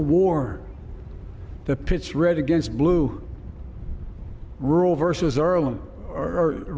pidato merah terhadap merah